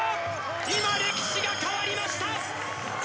今歴史が変わりました！